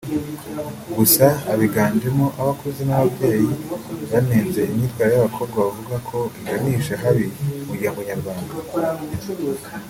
gusa abiganjemo abakuze n’ababyeyi banenze imyambarire y’abakobwa ‘bavuga ko iganisha habi umuryango nyarwanda’